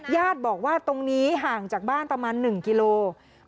ญาติบอกว่าตรงนี้ห่างจากบ้านประมาณ๑กิโลกรัม